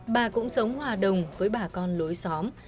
bà cũng sống hòa đồng với bà con lối xóm